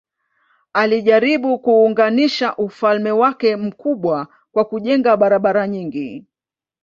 Alijaribu kuunganisha ufalme wake mkubwa kwa kujenga barabara nyingi.